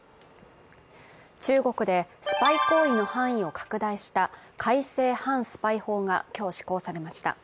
中国でスパイ行為の範囲を拡大した改正反スパイ法が今日、施行されました。